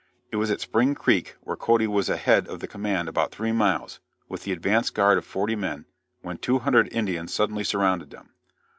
It was at Spring Creek where Cody was ahead of the command about three miles, with the advance guard of forty men, when two hundred Indians suddenly surrounded them.